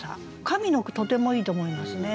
上の句とてもいいと思いますね。